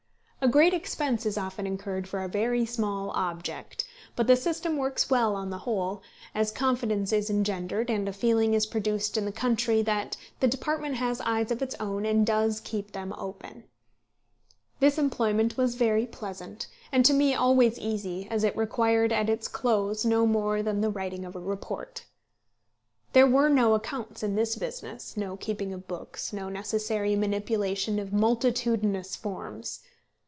A great expense is often incurred for a very small object; but the system works well on the whole as confidence is engendered, and a feeling is produced in the country that the department has eyes of its own and does keep them open. This employment was very pleasant, and to me always easy, as it required at its close no more than the writing of a report. There were no accounts in this business, no keeping of books, no necessary manipulation of multitudinous forms.